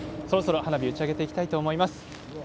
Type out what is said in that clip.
そろそろ花火を打ち上げていきたいと思います。